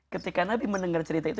ketika nabi mendengar cerita itu